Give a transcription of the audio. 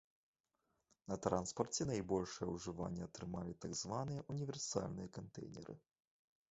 На транспарце найбольшае ўжыванне атрымалі так званыя універсальныя кантэйнеры.